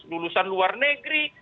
lulusan luar negeri